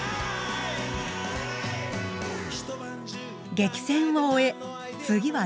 激戦を終え次は全国。